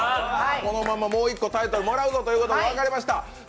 このままもう一個タイトルもらうぞということで分かりました。